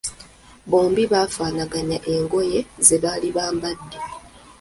Bombi bafaanaganya engoye ze baali bambadde.